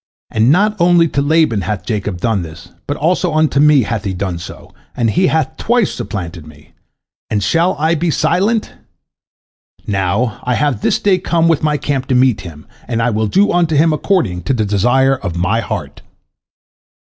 And not only to Laban hath Jacob done thus, but also unto me hath he done so, and he hath twice supplanted me, and shall I be silent? Now, I have this day come with my camp to meet him, and I will do unto him according to the desire of my heart."